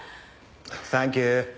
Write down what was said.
サンキュー。